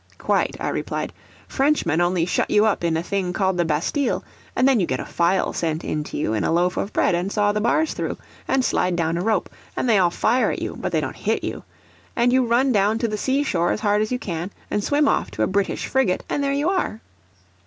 "Quite," I replied. "Frenchmen only shut you up in a thing called the Bastille; and then you get a file sent in to you in a loaf of bread, and saw the bars through, and slide down a rope, and they all fire at you but they don't hit you and you run down to the seashore as hard as you can, and swim off to a British frigate, and there you are!"